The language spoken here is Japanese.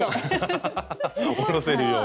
ハハハおろせるように。